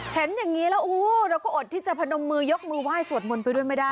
เห็นอย่างนี้แล้วเราก็อดที่จะพนมมือยกมือไหว้สวดมนต์ไปด้วยไม่ได้